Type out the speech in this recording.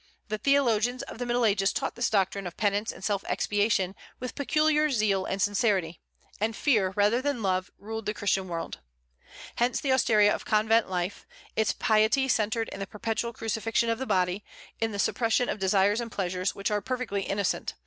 The theologians of the Middle Ages taught this doctrine of penance and self expiation with peculiar zeal and sincerity; and fear rather than love ruled the Christian world. Hence the austerity of convent life. Its piety centred in the perpetual crucifixion of the body, in the suppression of desires and pleasures which are perfectly innocent.